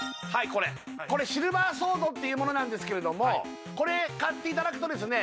これこれシルバーソードっていうものなんですけれどもこれ買っていただくとですね